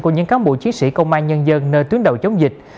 của những cán bộ chiến sĩ công an nhân dân nơi tuyến đầu chống dịch